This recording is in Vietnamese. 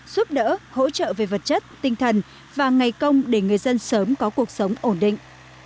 giúp đỡ hỗ trợ về vật chất tinh thần và ngày công để người dân sớm có cuộc sống ổn định